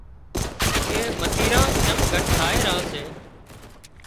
ڪي متريران چم گھٽ ٿائي ران سي